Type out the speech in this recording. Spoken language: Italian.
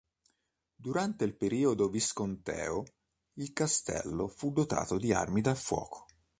Durante il periodo Visconteo, il castello fu dotato di armi da fuoco.